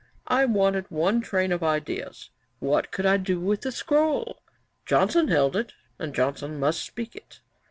I wanted one train of ideas. What could I do with the scroll? Johnson held it, and Johnson must speak in it.